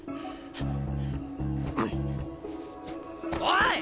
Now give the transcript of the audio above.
おい！